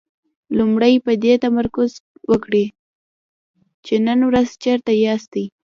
لومړی په دې تمرکز وکړئ چې نن ورځ چېرته ياستئ.